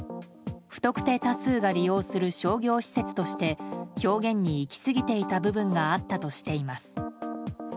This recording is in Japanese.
不特定多数が利用する商業施設として表現にいき過ぎていた部分があったとしています。